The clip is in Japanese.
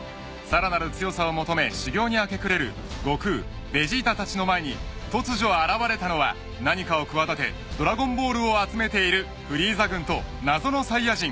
［さらなる強さを求め修行に明け暮れる悟空ベジータたちの前に突如現れたのは何かを企てドラゴンボールを集めているフリーザ軍と］